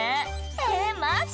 「えマジ？